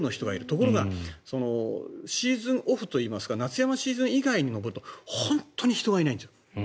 ところがシーズンオフといいますか夏山シーズン以外に登ると本当に人がいないんですよ。